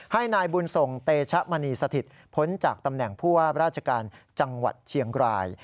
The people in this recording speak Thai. ให้นายบุญส่งเตชะมณีสถิตพ้นจากตำแหน่งผู้ว่าราชการจังหวัดเชียงราย